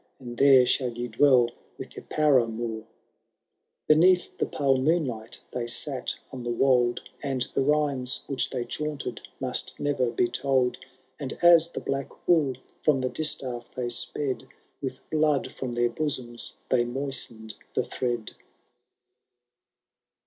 And there shall ye dweU with your panunoui/* Beneath the pale moonlight they sate on the wold. And the rhymes which they chaunted must never be told; And as the black wool from the distaff they sped. With blood from their bosoms they moistened the thread.